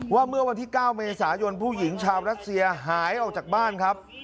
เมื่อวันที่๙เมษายนผู้หญิงชาวรัสเซียหายออกจากบ้านครับ